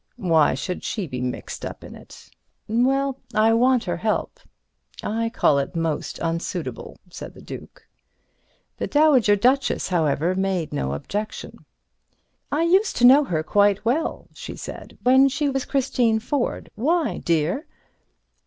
"Why should she be mixed up in it?" "Well, I want her help." "I call it most unsuitable," said the Duke. The Dowager Duchess, however, made no objection. "I used to know her quite well," she said, "when she was Christine Ford. Why, dear?"